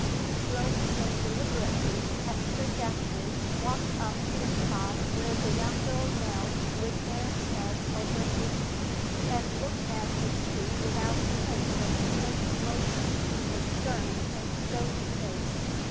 Slowly and deliberately Hester Dethridge walked up to the spot where the young girl knelt with Anne's head on her bosom, and looked at the two without a trace of human emotion in her stern and stony face.